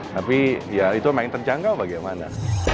tapi ya itu main terjangkau bagaimana